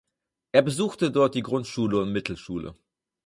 Er besuchte dort die Grundschule und Mittelschule.